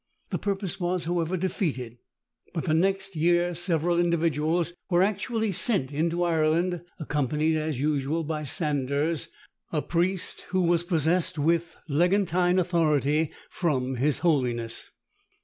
The purpose was, however, defeated: but the next year several individuals were actually sent into Ireland, accompanied, as usual, by Sanders, a priest, who was possessed with legantine authority from his holiness.